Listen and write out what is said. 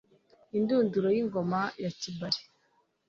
Indunduro y'Ingoma ya Kibali